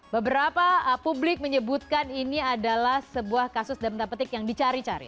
beberapa publik menyebutkan ini adalah sebuah kasus dalam tanda petik yang dicari cari